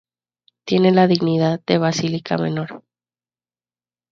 Tiene la dignidad de basílica menor.